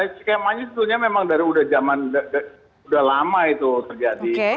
skemanya sebetulnya memang dari zaman udah lama itu terjadi